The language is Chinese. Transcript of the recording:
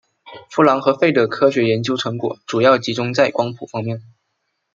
夫琅和费的科学研究成果主要集中在光谱方面。